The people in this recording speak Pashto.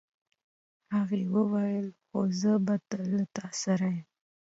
هغې وویل خو زه به تل له تا سره یم.